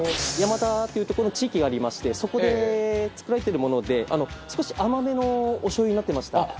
山田というとこの地域がありましてそこで作られているもので少し甘めのおしょう油になっていました。